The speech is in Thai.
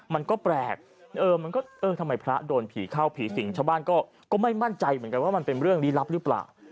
มันก็แปลกมันก็เออทำไมพระโดนผีเข้าผีสิงชาวบ้านก็ไม่มั่นใจเหมือนกันว่ามันเป็นเรื่องลี้ลับหรือเปล่า